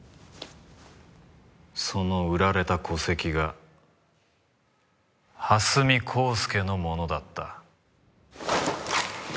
その売られた戸籍が蓮見光輔のものだった。